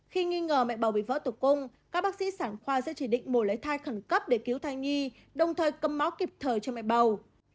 khi nghi ngờ mẹ bầu bị vỡ tục cung các bác sĩ sản khoa sẽ chỉ định mổ lấy thai khẩn cấp để cứu thai nhi đồng thời cầm máu kịp thời cho mẹ bầu